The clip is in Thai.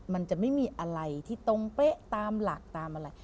มันจะไม่มีอะไรที่ตรงเป๊ะตามหลักตามอะไร